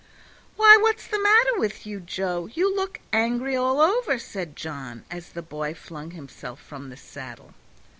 "Why, what's the matter with you, Joe? You look angry all over," said John, as the boy flung himself from the saddle.